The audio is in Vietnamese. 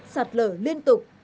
sạt lở liên tục